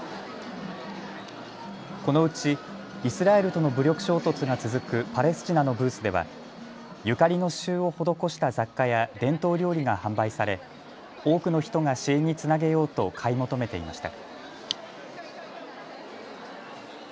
このうちイスラエルとの武力衝突が続くパレスチナのブースではゆかりの刺しゅうを施した雑貨や伝統料理が販売され多くの人が支援につなげようと買い求めていました。